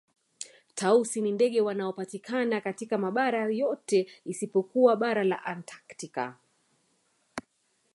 Tausi ni ndege wanaopatikana katika mabara yote isipokuwa bara la Antaktika